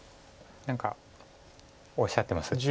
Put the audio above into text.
何かおっしゃってます？